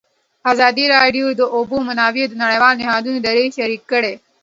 ازادي راډیو د د اوبو منابع د نړیوالو نهادونو دریځ شریک کړی.